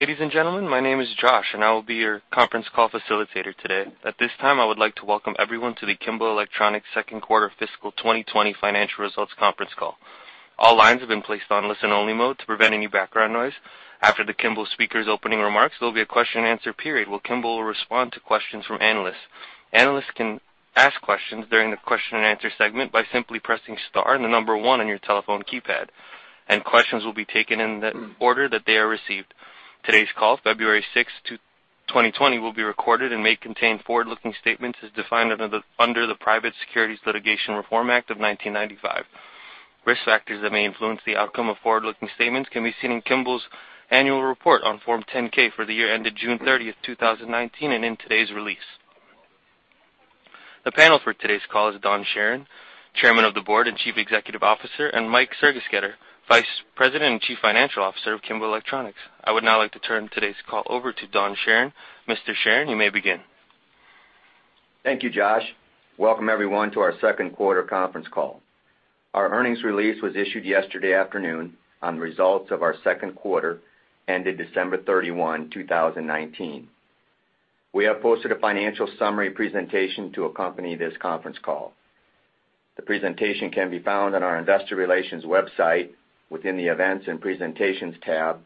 Ladies and gentlemen, my name is Josh, and I will be your conference call facilitator today. At this time, I would like to welcome everyone to the Kimball Electronics second quarter fiscal 2020 financial results conference call. All lines have been placed on listen-only mode to prevent any background noise. After the Kimball speakers' opening remarks, there'll be a question and answer period where Kimball will respond to questions from analysts. Analysts can ask questions during the question and answer segment by simply pressing star and the number one on your telephone keypad, and questions will be taken in the order that they are received. Today's call, February 6, 2020, will be recorded and may contain forward-looking statements as defined under the Private Securities Litigation Reform Act of 1995. Risk factors that may influence the outcome of forward-looking statements can be seen in Kimball's annual report on Form 10-K for the year ended June 30th, 2019, and in today's release. The panel for today's call is Don Charron, Chairman of the Board and Chief Executive Officer, and Mike Sergesketter, Vice President and Chief Financial Officer of Kimball Electronics. I would now like to turn today's call over to Don Charron. Mr. Charron, you may begin. Thank you, Josh. Welcome, everyone, to our second quarter conference call. Our earnings release was issued yesterday afternoon on the results of our second quarter ended December 31, 2019. We have posted a financial summary presentation to accompany this conference call. The presentation can be found on our investor relations website within the Events and Presentations tab,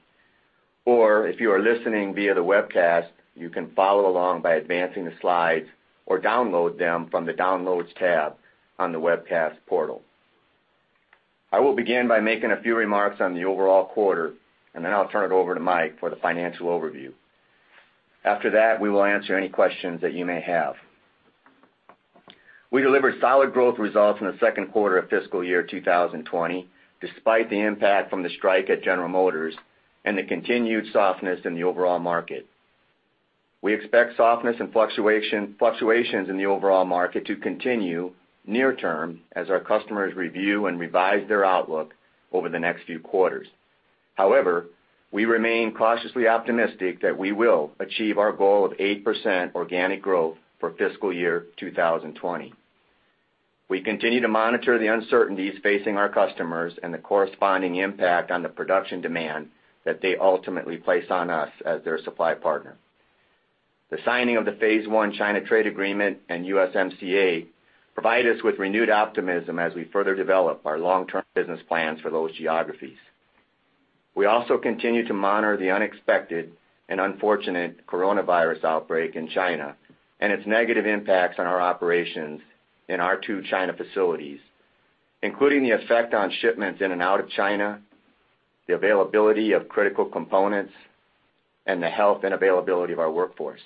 or if you are listening via the webcast, you can follow along by advancing the slides or download them from the Downloads tab on the webcast portal. I will begin by making a few remarks on the overall quarter, and then I'll turn it over to Mike for the financial overview. After that, we will answer any questions that you may have. We delivered solid growth results in the second quarter of fiscal year 2020, despite the impact from the strike at General Motors and the continued softness in the overall market. We expect softness and fluctuations in the overall market to continue near term as our customers review and revise their outlook over the next few quarters. However, we remain cautiously optimistic that we will achieve our goal of 8% organic growth for fiscal year 2020. We continue to monitor the uncertainties facing our customers and the corresponding impact on the production demand that they ultimately place on us as their supply partner. The signing of the phase I China trade agreement and USMCA provide us with renewed optimism as we further develop our long-term business plans for those geographies. We also continue to monitor the unexpected and unfortunate coronavirus outbreak in China and its negative impacts on our operations in our two China facilities, including the effect on shipments in and out of China, the availability of critical components, and the health and availability of our workforce.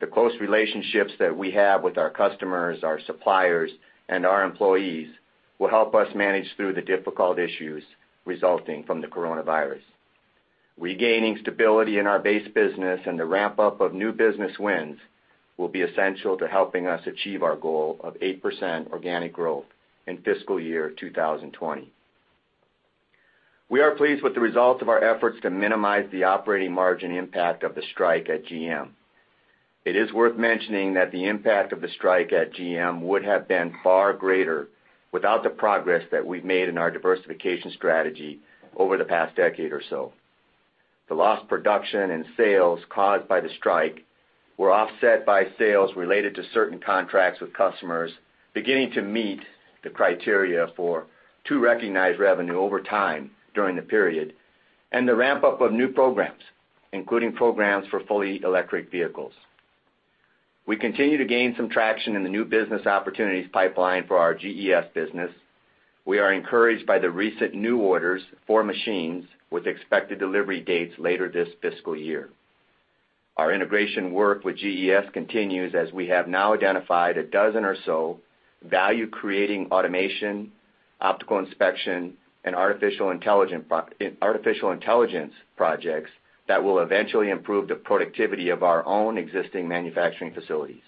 The close relationships that we have with our customers, our suppliers, and our employees will help us manage through the difficult issues resulting from the coronavirus. Regaining stability in our base business and the ramp-up of new business wins will be essential to helping us achieve our goal of 8% organic growth in fiscal year 2020. We are pleased with the results of our efforts to minimize the operating margin impact of the strike at GM. It is worth mentioning that the impact of the strike at GM would have been far greater without the progress that we've made in our diversification strategy over the past decade or so. The lost production and sales caused by the strike were offset by sales related to certain contracts with customers beginning to meet the criteria to recognize revenue over time during the period, and the ramp-up of new programs, including programs for fully electric vehicles. We continue to gain some traction in the new business opportunities pipeline for our GES business. We are encouraged by the recent new orders for machines with expected delivery dates later this fiscal year. Our integration work with GES continues as we have now identified a dozen or so value-creating automation, optical inspection, and artificial intelligence projects that will eventually improve the productivity of our own existing manufacturing facilities.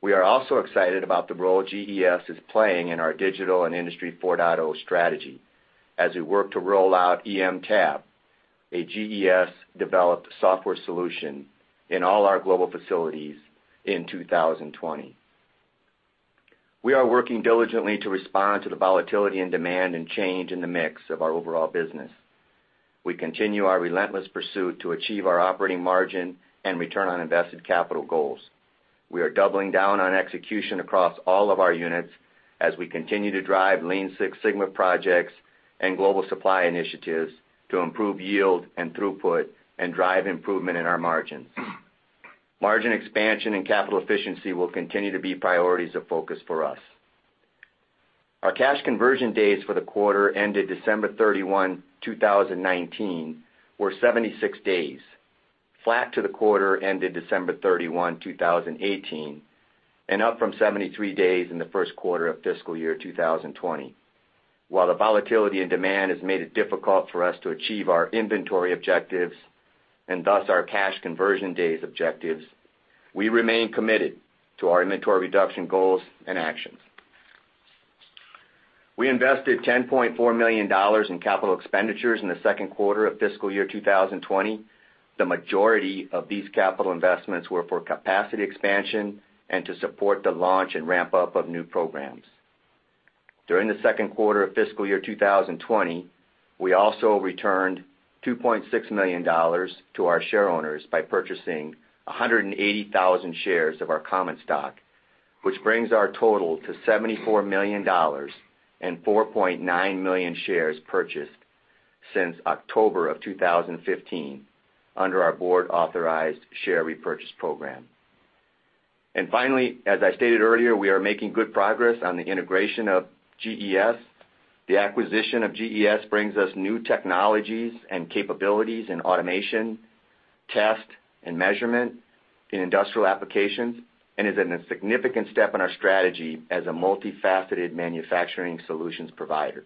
We are also excited about the role GES is playing in our digital and Industry 4.0 strategy as we work to roll out EMTab, a GES-developed software solution in all our global facilities in 2020. We are working diligently to respond to the volatility in demand and change in the mix of our overall business. We continue our relentless pursuit to achieve our operating margin and return on invested capital goals. We are doubling down on execution across all of our units as we continue to drive Lean Six Sigma projects and global supply initiatives to improve yield and throughput and drive improvement in our margins. Margin expansion and capital efficiency will continue to be priorities of focus for us. Our cash conversion days for the quarter ended December 31, 2019, were 76 days, flat to the quarter ended December 31, 2018, and up from 73 days in the first quarter of fiscal year 2020. While the volatility in demand has made it difficult for us to achieve our inventory objectives and thus our cash conversion days objectives, we remain committed to our inventory reduction goals and actions. We invested $10.4 million in capital expenditures in the second quarter of fiscal year 2020. The majority of these capital investments were for capacity expansion and to support the launch and ramp-up of new programs. During the second quarter of fiscal year 2020, we also returned $2.6 million to our shareowners by purchasing 180,000 shares of our common stock, which brings our total to $74 million and 4.9 million shares purchased since October of 2015 under our board-authorized share repurchase program. Finally, as I stated earlier, we are making good progress on the integration of GES. The acquisition of GES brings us new technologies and capabilities in automation, test, and measurement in industrial applications, and is a significant step in our strategy as a multifaceted manufacturing solutions provider.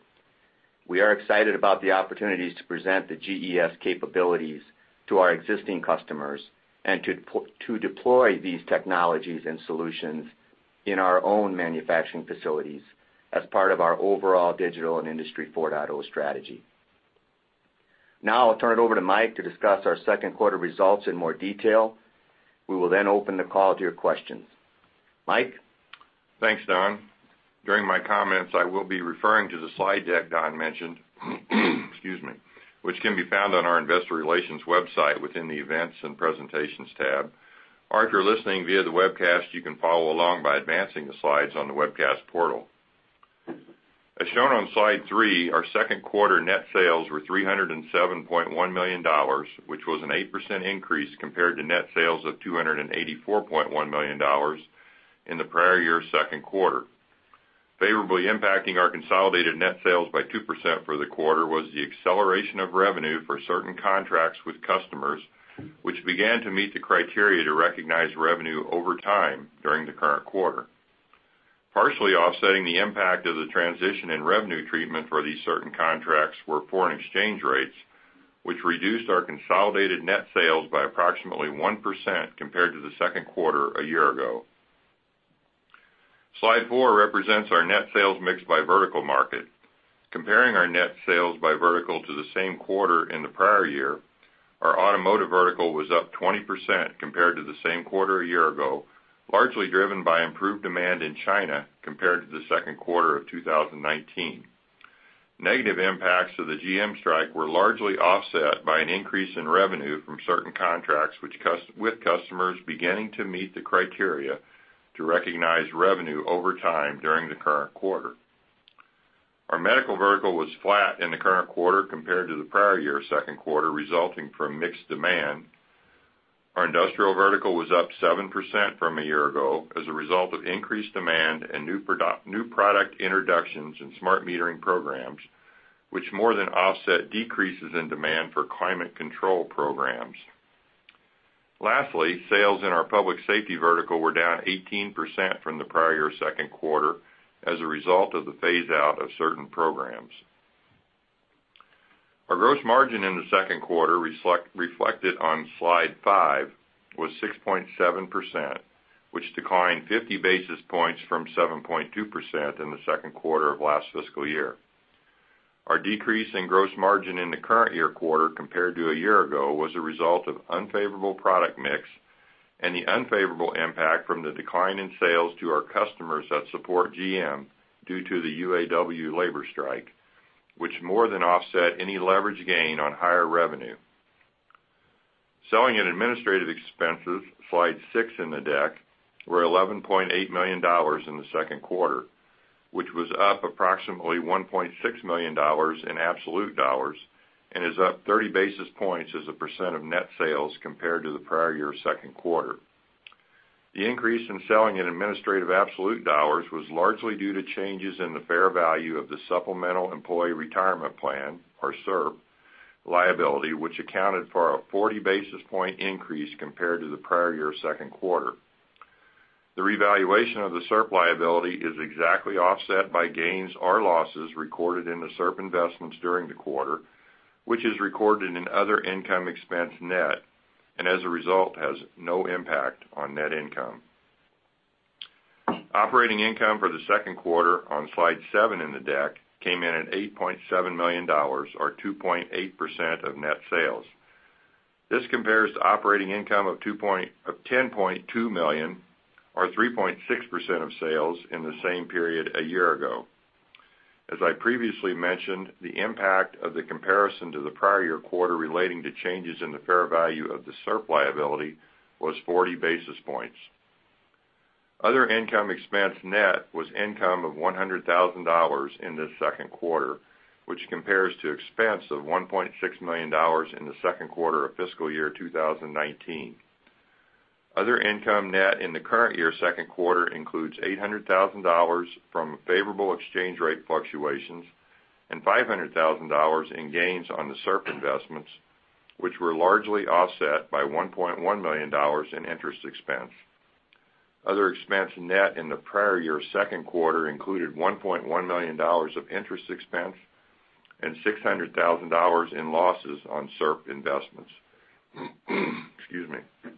We are excited about the opportunities to present the GES capabilities to our existing customers and to deploy these technologies and solutions in our own manufacturing facilities as part of our overall digital and Industry 4.0 strategy. I'll turn it over to Mike to discuss our second quarter results in more detail. We will open the call to your questions. Mike? Thanks, Don. During my comments, I will be referring to the slide deck Don mentioned, excuse me, which can be found on our investor relations website within the Events and Presentations tab. If you're listening via the webcast, you can follow along by advancing the slides on the webcast portal. As shown on slide three, our second quarter net sales were $307.1 million, which was an 8% increase compared to net sales of $284.1 million in the prior-year second quarter. Favorably impacting our consolidated net sales by 2% for the quarter was the acceleration of revenue for certain contracts with customers, which began to meet the criteria to recognize revenue over time during the current quarter. Partially offsetting the impact of the transition in revenue treatment for these certain contracts were foreign exchange rates, which reduced our consolidated net sales by approximately 1% compared to the second quarter a year ago. Slide four represents our net sales mix by vertical market. Comparing our net sales by vertical to the same quarter in the prior year, our automotive vertical was up 20% compared to the same quarter a year ago, largely driven by improved demand in China compared to the second quarter of 2019. Negative impacts of the GM strike were largely offset by an increase in revenue from certain contracts with customers beginning to meet the criteria to recognize revenue over time during the current quarter. Our medical vertical was flat in the current quarter compared to the prior year second quarter, resulting from mixed demand. Our industrial vertical was up 7% from a year ago as a result of increased demand and new product introductions in smart metering programs, which more than offset decreases in demand for climate control programs. Lastly, sales in our public safety vertical were down 18% from the prior year second quarter as a result of the phase-out of certain programs. Our gross margin in the second quarter, reflected on slide five, was 6.7%, which declined 50 basis points from 7.2% in the second quarter of last fiscal year. Our decrease in gross margin in the current year quarter compared to a year ago was a result of unfavorable product mix and the unfavorable impact from the decline in sales to our customers that support GM due to the UAW labor strike, which more than offset any leverage gain on higher revenue. Selling and administrative expenses, slide six in the deck, were $11.8 million in the second quarter, which was up approximately $1.6 million in absolute dollars and is up 30 basis points as a percent of net sales compared to the prior year second quarter. The increase in selling and administrative absolute dollars was largely due to changes in the fair value of the supplemental employee retirement plan, or SERP, liability, which accounted for a 40 basis point increase compared to the prior year second quarter. The revaluation of the SERP liability is exactly offset by gains or losses recorded in the SERP investments during the quarter, which is recorded in other income expense net and as a result has no impact on net income. Operating income for the second quarter on slide seven in the deck came in at $8.7 million, or 2.8% of net sales. This compares to operating income of $10.2 million, or 3.6% of sales in the same period a year ago. As I previously mentioned, the impact of the comparison to the prior year quarter relating to changes in the fair value of the SERP liability was 40 basis points. Other income expense net was income of $100,000 in the second quarter, which compares to expense of $1.6 million in the second quarter of fiscal year 2019. Other income net in the current year second quarter includes $800,000 from favorable exchange rate fluctuations and $500,000 in gains on the SERP investments, which were largely offset by $1.1 million in interest expense. Other expense net in the prior year second quarter included $1.1 million of interest expense and $600,000 in losses on SERP investments. Excuse me.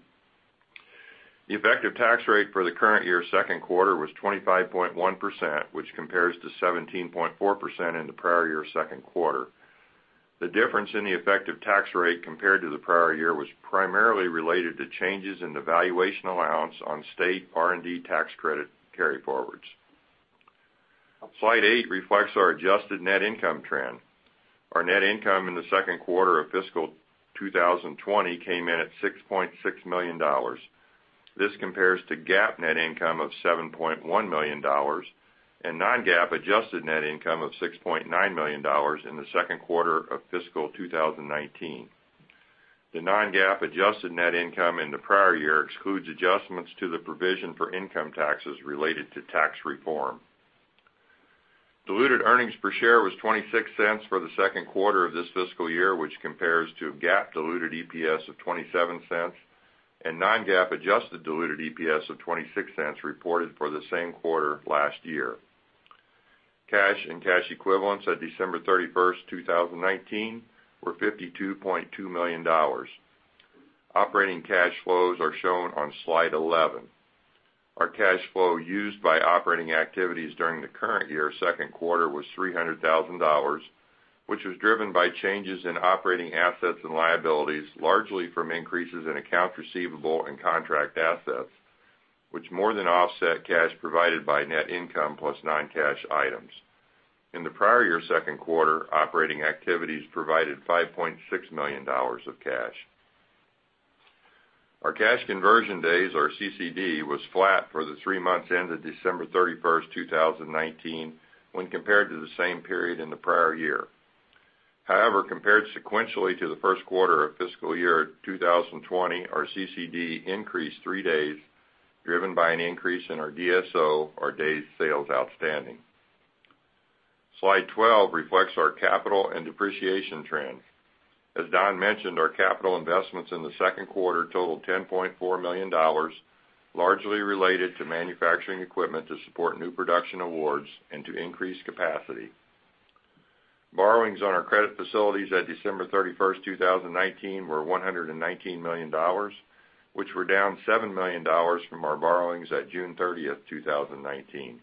The effective tax rate for the current year second quarter was 25.1%, which compares to 17.4% in the prior year second quarter. The difference in the effective tax rate compared to the prior year was primarily related to changes in the valuation allowance on state R&D tax credit carryforwards. Slide eight reflects our adjusted net income trend. Our net income in the second quarter of fiscal 2020 came in at $6.6 million. This compares to GAAP net income of $7.1 million and non-GAAP adjusted net income of $6.9 million in the second quarter of fiscal 2019. The non-GAAP adjusted net income in the prior year excludes adjustments to the provision for income taxes related to tax reform. Diluted earnings per share was $0.26 for the second quarter of this fiscal year, which compares to GAAP diluted EPS of $0.27 and non-GAAP adjusted diluted EPS of $0.26 reported for the same quarter last year. Cash and cash equivalents at December 31st, 2019 were $52.2 million. Operating cash flows are shown on slide 11. Our cash flow used by operating activities during the current year second quarter was $300,000, which was driven by changes in operating assets and liabilities, largely from increases in accounts receivable and contract assets, which more than offset cash provided by net income plus non-cash items. In the prior year second quarter, operating activities provided $5.6 million of cash. Our cash conversion days or CCD was flat for the three months ended December 31st, 2019, when compared to the same period in the prior year. However, compared sequentially to the first quarter of fiscal year 2020, our CCD increased three days, driven by an increase in our DSO or days sales outstanding. Slide 12 reflects our capital and depreciation trend. As Don mentioned, our capital investments in the second quarter totaled $10.4 million, largely related to manufacturing equipment to support new production awards and to increase capacity. Borrowings on our credit facilities at December 31st, 2019 were $119 million, which were down $7 million from our borrowings at June 30th, 2019.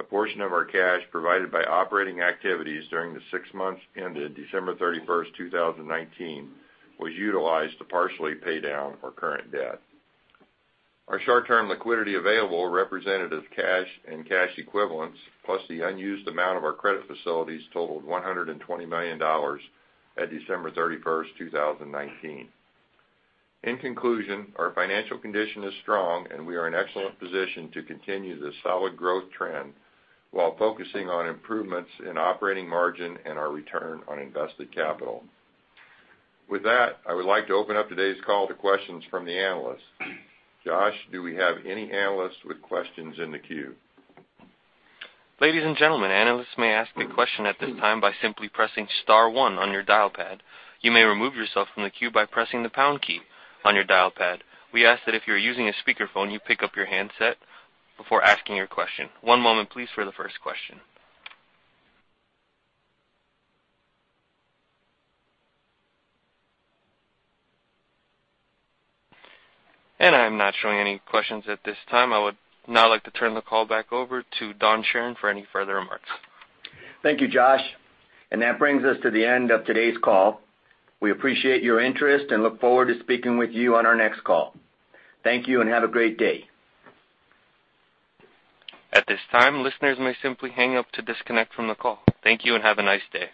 A portion of our cash provided by operating activities during the six months ended December 31st, 2019 was utilized to partially pay down our current debt. Our short-term liquidity available represented as cash and cash equivalents, plus the unused amount of our credit facilities totaled $120 million at December 31st, 2019. In conclusion, our financial condition is strong, and we are in excellent position to continue the solid growth trend while focusing on improvements in operating margin and our return on invested capital. With that, I would like to open up today's call to questions from the analysts. Josh, do we have any analysts with questions in the queue? Ladies and gentlemen, analysts may ask a question at this time by simply pressing star one on your dial pad. You may remove yourself from the queue by pressing the pound key on your dial pad. We ask that if you're using a speakerphone, you pick up your handset before asking your question. One moment please for the first question. I'm not showing any questions at this time. I would now like to turn the call back over to Don Charron for any further remarks. Thank you, Josh. That brings us to the end of today's call. We appreciate your interest and look forward to speaking with you on our next call. Thank you, and have a great day. At this time, listeners may simply hang up to disconnect from the call. Thank you, and have a nice day.